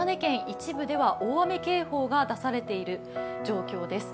一部では大雨警報が出されている状況です。